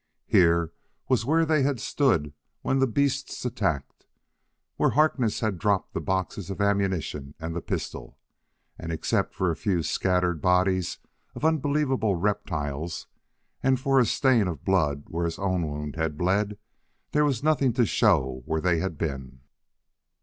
Here was where they had stood when the beasts attacked; where Harkness had dropped the boxes of ammunition and the pistol and except for a few scattered bodies of unbelievable reptiles and for a stain of blood where his own wound had bled, there was nothing to show where they had been.